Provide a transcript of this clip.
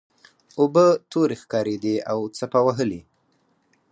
اوبه تورې ښکاریدې او څپه وهلې.